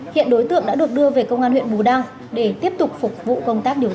hiện đối tượng đã được đưa về công an huyện bù đăng để tiếp tục phục vụ công tác điều tra